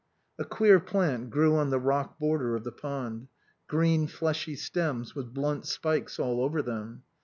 A queer plant grew on the rock border of the pond. Green fleshy stems, with blunt spikes all over them.